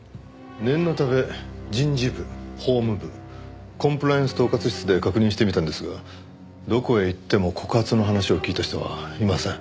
念のため人事部法務部コンプライアンス統括室で確認してみたんですがどこへ行っても告発の話を聞いた人はいません。